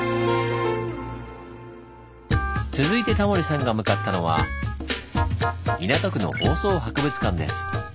続いてタモリさんが向かったのは港区の放送博物館です。